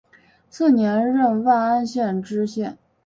次年任万安县知县。